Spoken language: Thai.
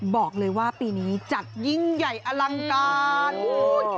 บอกเลยว่าปีนี้จัดยิ่งใหญ่อลังการ